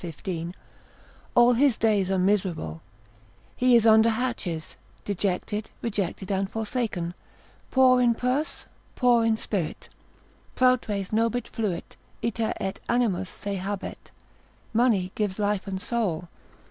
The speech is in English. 15, all his days are miserable, he is under hatches, dejected, rejected and forsaken, poor in purse, poor in spirit; prout res nobis fluit, ita et animus se habet; money gives life and soul.